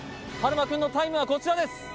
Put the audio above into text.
遙馬くんのタイムはこちらです